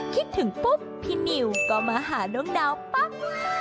คิดถึงปุ๊บพี่นิวก็มาหาน้องดาวปั๊บ